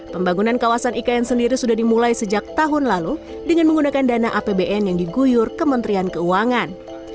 pembangunan kawasan ikn sendiri sudah dimulai sejak tahun lalu dengan menggunakan dana apbn yang diguyur kementerian keuangan